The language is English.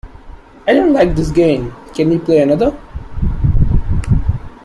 I don't like this game, can we play another?